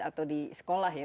atau di sekolah ya